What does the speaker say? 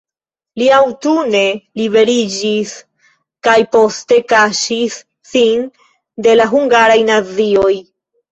Li aŭtune liberiĝis kaj poste kaŝis sin de la hungaraj nazioj.